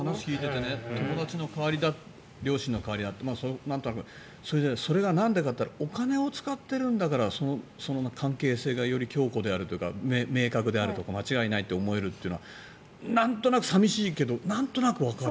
友達の代わり両親の代わりってそれがなんでかというとお金を使ってるんだからその関係性がより強固であるとか明確であるとか間違いないと思えるというのはなんとなく寂しいけどなんとなくわかる。